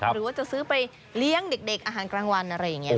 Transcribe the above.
หรือว่าจะซื้อไปเลี้ยงเด็กอาหารกลางวันอะไรอย่างนี้